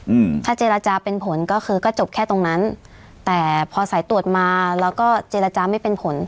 อืมถ้าเจรจาเป็นผลก็คือก็จบแค่ตรงนั้นแต่พอสายตรวจมาแล้วก็เจรจาไม่เป็นผล